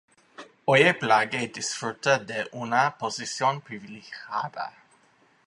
Oye-Plage disfruta de una posición privilegiada.